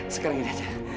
sekarang ini aja